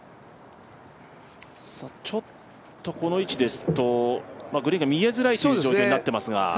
ちょっとこの位置ですとグリーンが見えづらいという状況になっていますが。